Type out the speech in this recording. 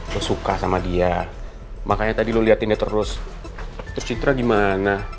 lo suka sama dia makanya tadi lo liatin dia terus terus citra gimana